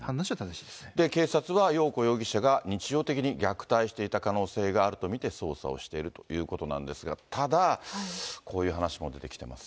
警察はよう子容疑者が日常的に虐待していた可能性があると見て、捜査をしているということなんですが、ただ、こういう話も出てきてます。